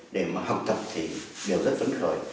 để mà học tập thì đều rất phấn khởi